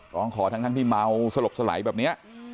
ร้องขอทั้งที่เมาสลบสลายแบบนี้